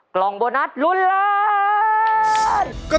กล่องโบนัสลุ้นล้าน